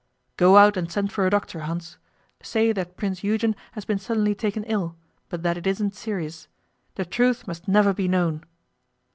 'Go out, and send for a doctor, Hans. Say that Prince Eugen has been suddenly taken ill, but that it isn't serious. The truth must never be known.